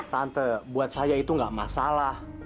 tante buat saya itu nggak masalah